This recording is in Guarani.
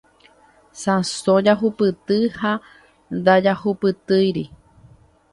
Sãso jahupyty ha ndajahupytýiri.